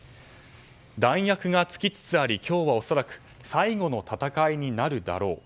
弾薬が尽きつつあり今日は恐らく最後の戦いになるだろう。